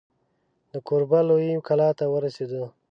د کوربه لویې کلا ته ورسېدو.